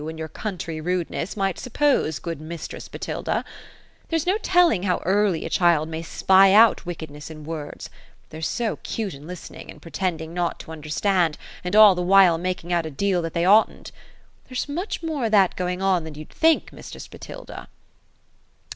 in your country rudeness, might suppose, good mistress Botilda. There's no telling how early a child may spy out wickedness in words — they're so 'cute in listening, and pre tending not to understand, and all the while making out a deal that they oughtn't. There's much more o'that going on, than you'd think, mis tress Botilda."